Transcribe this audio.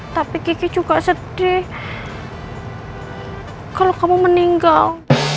tapi kiki juga sedih kalau kamu meninggal